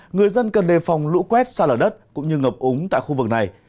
người dân cần đề phòng lũ quét xa lở đất cũng như ngập úng tại khu vực này